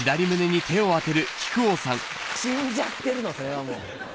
死んじゃってるのそれはもう。